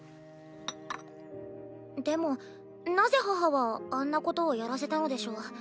でもなぜ母はあんなことをやらせたのでしょう。